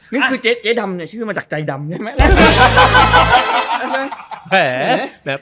นี่คือเจ๊ดำชื่อมาจากใจดำใช่มั้ย